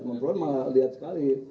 perempuan malah lihat sekali